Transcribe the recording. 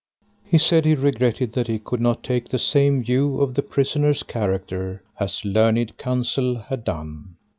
He said he regretted that he could not take the same view of the prisoner's character as learned counsel had done.